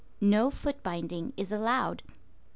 No foot binding is allowed.